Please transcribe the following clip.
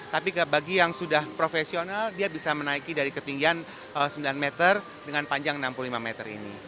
tapi bagi yang sudah profesional dia bisa menaiki dari ketinggian sembilan meter dengan panjang enam puluh lima meter ini